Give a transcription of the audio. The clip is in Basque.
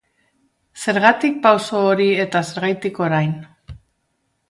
Zergatik pauso hori eta zergatik orain?